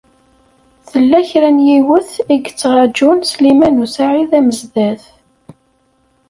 Tella kra n yiwet i yettṛajun Sliman u Saɛid Amezdat.